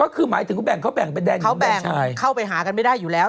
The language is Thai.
เข้าแบ่งเข้าไปหากันไม่ได้อยู่แล้ว